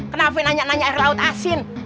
kenapa nanya nanya air laut asin